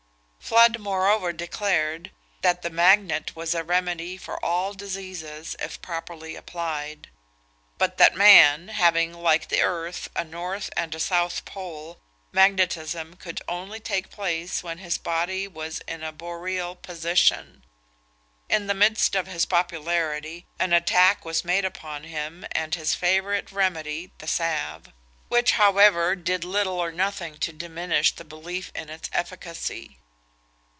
Fludd moreover declared, that the magnet was a remedy for all diseases, if properly applied; but that man having, like the earth, a north and a south pole, magnetism could only take place when his body was in a boreal position! In the midst of his popularity, an attack was made upon him and his favourite remedy, the salve; which, however, did little or nothing to diminish the belief in its efficacy.